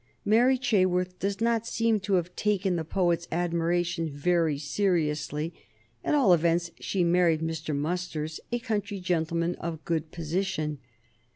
Mary Chaworth does not seem to have taken the poet's adoration very seriously at all events, she married Mr. Musters, a country gentleman of good position.